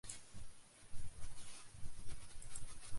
De takomst is ûnwis no't de eigener fallyt gien is.